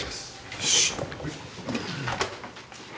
よし。